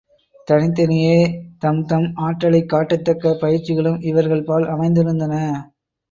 தனித் தனியே தம் தம் ஆற்றலைக் காட்டத்தக்க பயிற்சிகளும் இவர்கள் பால் அமைந்திருந்தன.